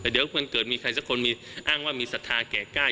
เดี๋ยวมันเกิดมีใครสักคนอ้างว่ามีศรัทธาแก่กล้าย